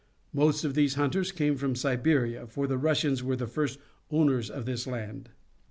Most of these hunters came from Siberia, for the Russians were the first owners of this land.